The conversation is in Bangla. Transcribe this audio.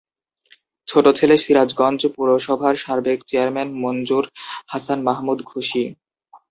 ছোট ছেলে সিরাজগঞ্জ পৌরসভার সাবেক চেয়ারম্যান মঞ্জুর হাসান মাহমুদ খুশী।